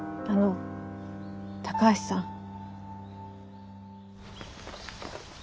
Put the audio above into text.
あれ高橋さんは？